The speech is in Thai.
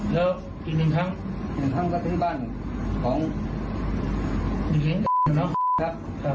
แล้วกี่หนึ่งครั้งหนึ่งครั้งก็ถึงบ้านของน้องครับ